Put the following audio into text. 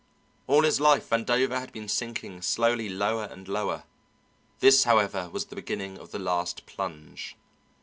All his life Vandover had been sinking slowly lower and lower; this, however, was the beginning of the last plunge.